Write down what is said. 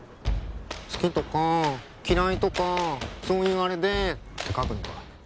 「好きとか嫌いとかそういうアレで」って書くのか？